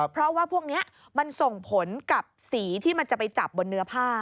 เพราะว่าพวกนี้มันส่งผลกับสีที่มันจะไปจับบนเนื้อผ้า